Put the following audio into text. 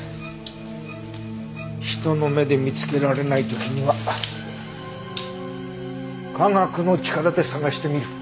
人の目で見つけられない時には科学の力で捜してみる。